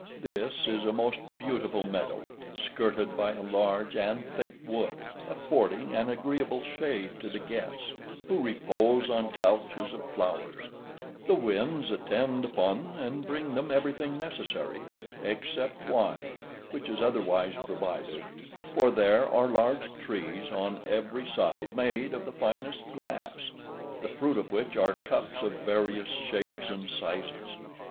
This is a most beautiful meadow, skirted by a large and thick wood, affording an agreeable shade to the guests, who repose on couches of flowers; the winds attend upon and bring them everything necessary, except wine, which is otherwise provided, for there are large trees on every side made of the finest glass, the fruit of which are cups of various shapes and sizes.